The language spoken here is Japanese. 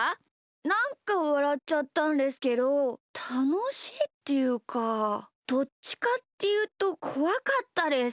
なんかわらっちゃったんですけどたのしいっていうかどっちかっていうとこわかったです。